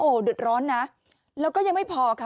โอ้โหเดือดร้อนนะแล้วก็ยังไม่พอค่ะ